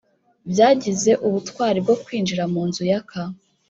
byagize ubutwari bwo kwinjira munzu yaka.